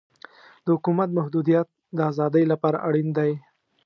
د حکومت محدودیت د ازادۍ لپاره اړین دی.